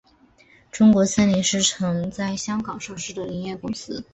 中国森林是曾在香港上市的林业公司。